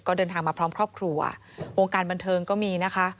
ก็เดินทางมาพร้อมครอบครัววงการบันเทิงก็มีนะคะ